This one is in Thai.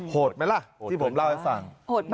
ไหมล่ะที่ผมเล่าให้ฟัง